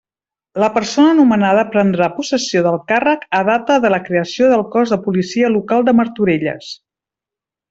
La persona nomenada prendrà possessió del càrrec a data de la creació del cos de Policia Local de Martorelles.